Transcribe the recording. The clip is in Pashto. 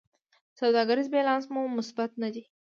سوداګریز بیلانس مو مثبت نه دی.